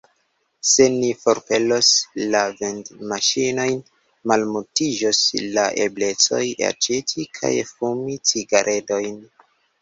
Se ni forpelos la vendmaŝinojn, malmultiĝos la eblecoj aĉeti kaj fumi cigaredojn.